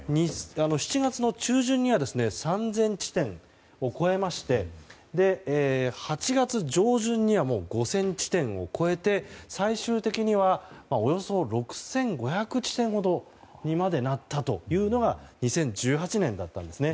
７月の中旬には３０００地点を超えまして８月上旬には５０００地点を超えて最終的にはおよそ６５００地点ほどにまでなったというのが２０１８年だったんですね。